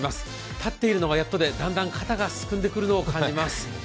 立っているのがやっとで、だんだん肩がすくんでくるのを感じます。